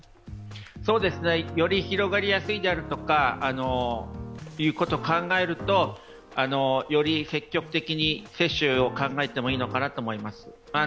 より広がりやすいであるとかいうことを考えるとより積極的に接種を考えてもいいのかなと思います。